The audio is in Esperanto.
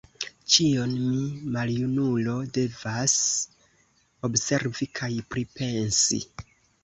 Ĉion mi, maljunulo, devas observi kaj pripensi!